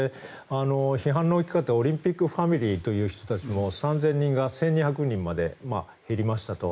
批判の大きかったオリンピックファミリーという人たちが３０００人が１２００人にまで減りましたと。